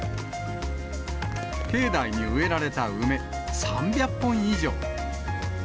境内に植えられた梅３００本以上。